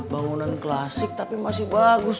bangunan klasik tapi masih bagus